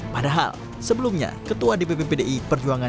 padahal sebelumnya ketua dpp pdi perjuangan